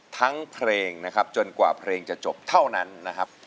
ทั้งเพลงนะครับจนกว่าเพลงจะจบเท่านั้นนะครับ